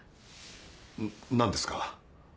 何ですか？